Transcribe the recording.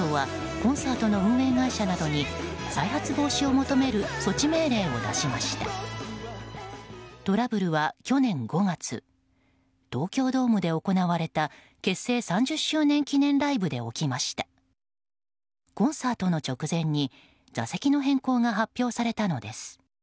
コンサートの直前に座席の変更が発表されたのです。